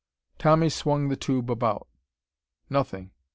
Tommy swung the tube about. Nothing....